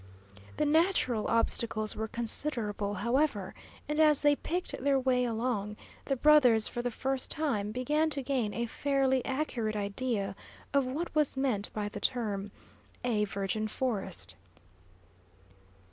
The natural obstacles were considerable, however, and as they picked their way along, the brothers for the first time began to gain a fairly accurate idea of what was meant by the term, a virgin forest.